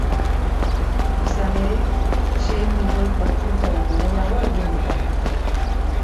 Izan ere, sei milioi kontsulta baino gehiago egin dira.